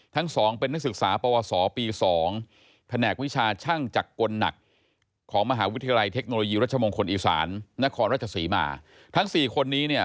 และนายรัชสีมาทั้ง๔คนนี้เนี่ย